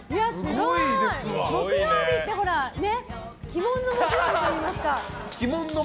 木曜日ってほら鬼門の木曜日といいますか。